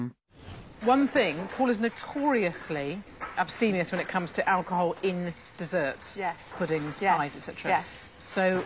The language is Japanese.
そう。